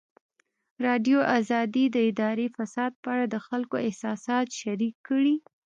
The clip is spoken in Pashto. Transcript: ازادي راډیو د اداري فساد په اړه د خلکو احساسات شریک کړي.